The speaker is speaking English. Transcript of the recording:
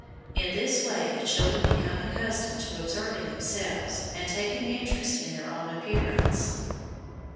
In this way, the children become accustomed to observing themselves and take an interest in their own appearance.